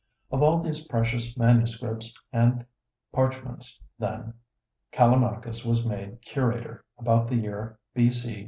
Of all these precious manuscripts and parchments, then, Callimachus was made curator about the year B.C.